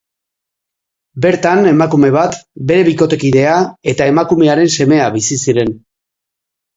Bertan emakume bat, bere bikotekidea eta emakumearen semea bizi ziren.